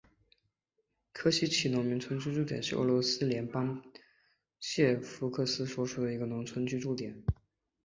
科西齐农村居民点是俄罗斯联邦布良斯克州谢夫斯克区所属的一个农村居民点。